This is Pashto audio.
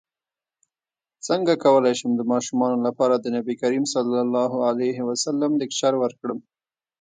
څنګه کولی شم د ماشومانو لپاره د نبي کریم ص لیکچر ورکړم